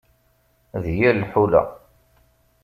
D yir lḥula.